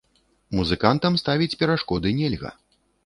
Музыкантам ставіць перашкоды нельга.